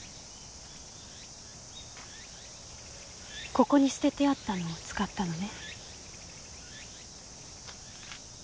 ここに捨ててあったのを使ったのね。